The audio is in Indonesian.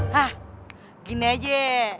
hah gini aja